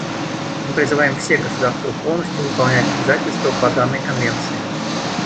Мы призываем все государства полностью выполнять обязательства по данной Конвенции.